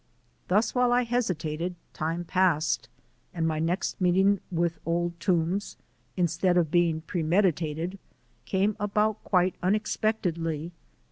Thus while I hesitated time passed and my next meeting with Old Toombs, instead of being premeditated, came about quite unexpectedly.